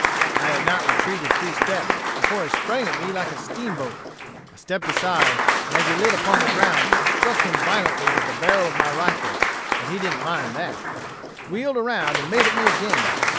I had not retreated three steps before he sprang at me like a steamboat; I stepped aside and as he lit upon the ground, I struck him violently with the barrel of my rifle, but he didn't mind that, but wheeled around and made at me again.